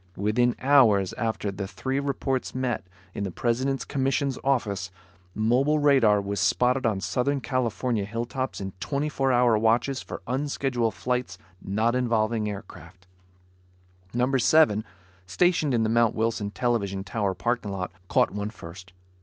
Within hours after the three reports met, in the President's commission's office, mobile radar was spotted on Southern California hilltops in twenty four hour watches for unscheduled flights not involving aircraft. Number Seven, stationed in the Mount Wilson television tower parking lot, caught one first.